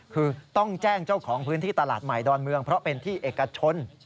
คือต้องแจ้งเจ้าของพื้นที่ตลาดใหม่ดอนเมืองเพราะเป็นที่เอกชน